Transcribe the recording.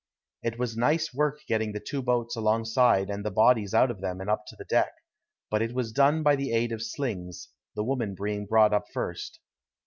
It was nice work getting the two boats alongside and the bodies out of them and up to the deck; but it was done by the aid of slings, the woman being brought up first.